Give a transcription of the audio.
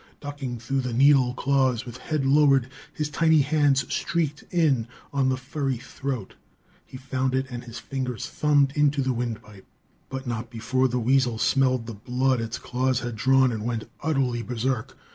Ducking through the needle claws with head lowered, his tiny hands streaked in on the furry throat. He found it, and his fingers thumbed into the wind pipe; but not before the weasel smelled the blood its claws had drawn and went utterly berserk.